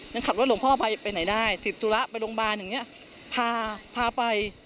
ยังขับรถหลวงพ่อไปไหนได้ติดธุระไปโรงพยาบาลอย่างเงี้ยพาพาไป